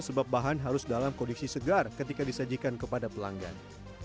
sebab bahan harus dalam kondisi segar ketika disajikan kepada pelanggan